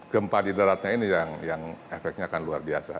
gempa di daratnya ini yang efeknya akan luar biasa